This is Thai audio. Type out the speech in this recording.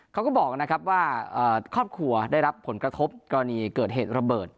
เขาก็บอกนะครับว่าครอบครัวได้รับผลกระทบกรณีเกิดเหตุระเบิด